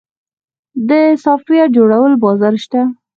د سافټویر جوړولو بازار شته؟